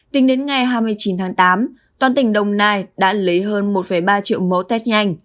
tính đến ngày hai mươi chín tháng tám toàn tỉnh đồng nai đã lấy hơn một ba triệu mẫu test nhanh